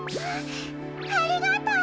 ありがとう！